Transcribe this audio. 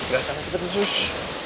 gak sangat cepet sih